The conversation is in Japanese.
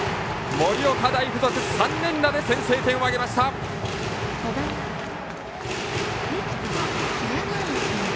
盛岡大付属、３連打で先制点を挙げました！